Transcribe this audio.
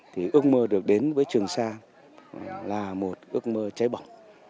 thì ước mơ được đến với trường sa là một ước mơ cháy bỏng